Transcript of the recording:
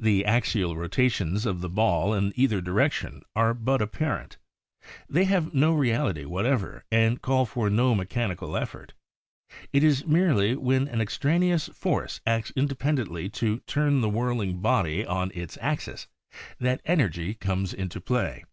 The axial rotations of the ball in either direction are but apparent ; they have no reality whatever and call for no mechani cal effort. It is merely when an extraneous force acts independently to turn the whirl ing body on its axis that energy comes into play.